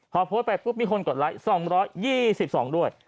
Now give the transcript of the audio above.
พอโพสต์ไปปุ๊บมีคนกดไลค์๒๒ด้วย